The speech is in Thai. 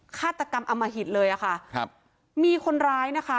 ฆาตกรรมอมหิตเลยอ่ะค่ะครับมีคนร้ายนะคะ